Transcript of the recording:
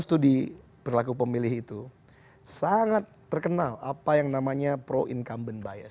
itu di perlaku pemilih itu sangat terkenal apa yang namanya pro incumbent bias